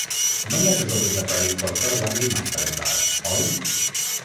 Només és obligatori portar guants i mascareta, oi?